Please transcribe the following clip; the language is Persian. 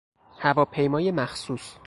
هواپیمای مخصوص